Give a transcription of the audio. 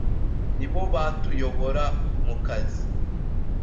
Ni bo batuyobora mu kazi